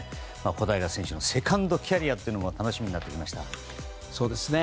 小平選手のセカンドキャリアも楽しみになってきました。